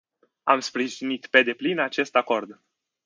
Am sprijinit pe deplin acest acord.